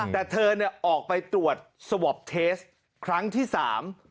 แต่เธอออกไปตรวจสวอบเทสต์ครั้งที่สาม